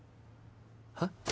はっ？